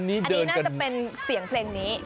น่าจะเป็นเสียงเพลงนี้